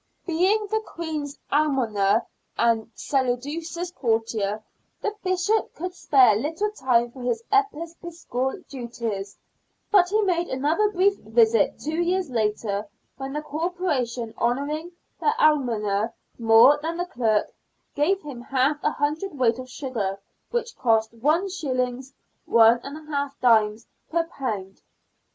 Being the Queen's Almoner and a sedulous courtier, the Bishop could spare little time for his episcopal duties ; but he made another brief visit two years later, when the Corporation, honouring the Almoner more than the cleric, gave him half a hundred weight of sugar, which cost is. i|d. per pound.